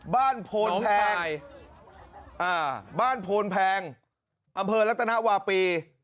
บ้านโพนแพงอ่าบ้านโพนแพงอำเภอรัตนาวาปี